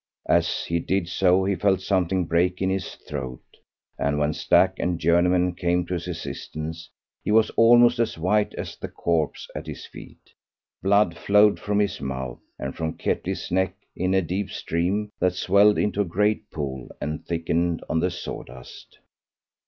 As he did so he felt something break in his throat, and when Stack and Journeyman came to his assistance he was almost as white as the corpse at his feet. Blood flowed from his mouth and from Ketley's neck in a deep stream that swelled into a great pool and thickened on the sawdust.